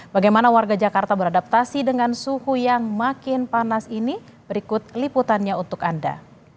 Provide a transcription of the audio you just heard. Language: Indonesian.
bagaimana warga jakarta beradaptasi dengan suhu yang makin panas ini berikut liputannya untuk anda